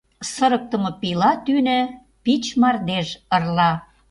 Сырыктыме пийла тӱнӧ Пич мардеж ырла.